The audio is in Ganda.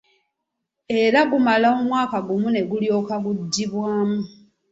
Era gumala omwaka gumu ne gulyoka guddibwamu.